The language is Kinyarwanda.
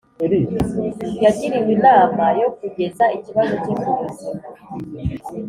Yagiriwe inama yo kugeza ikibazo cye ku buzima